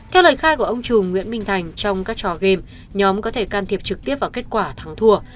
theo lời khai của ông trùm nguyễn minh thành trong các trò game nhóm có thể can thiệp trực tiếp vào kết quả thắng thua